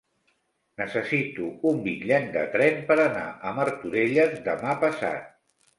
Necessito un bitllet de tren per anar a Martorelles demà passat.